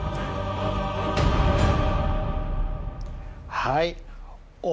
はい。